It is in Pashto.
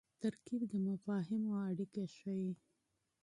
ترکیب د مفاهیمو اړیکه ښيي.